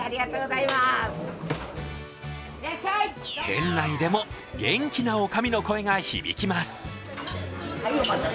店内でも元気なおかみの声が響きます。